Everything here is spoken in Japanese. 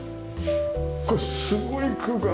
これすごい空間。